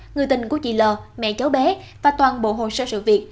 người tình của chị l mẹ mẹ cháu bé và toàn bộ hồ sơ sự việc